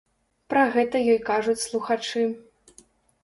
Пра гэта ёй кажуць слухачы.